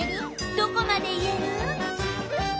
どこまで言える？